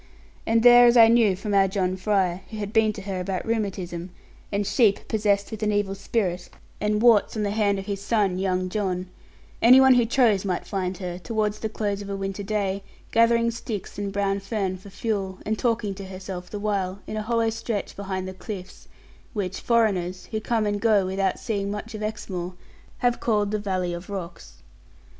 And there, as I knew from our John Fry (who had been to her about rheumatism, and sheep possessed with an evil spirit, and warts on the hand of his son, young John), any one who chose might find her, towards the close of a winter day, gathering sticks and brown fern for fuel, and talking to herself the while, in a hollow stretch behind the cliffs; which foreigners, who come and go without seeing much of Exmoor, have called the Valley of Rocks.